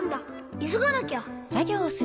いそがなきゃ。